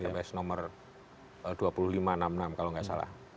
tap mprs nomor dua ribu lima ratus enam puluh enam kalau enggak salah